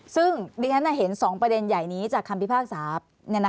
ซึ่งดังนั้นเห็นสองประเด็นใหญ่นี้จากคำพิพากษ์สาป